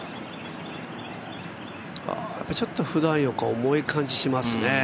ちょっとふだんよか重い感じしますね。